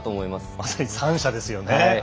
まさに３者ですよね。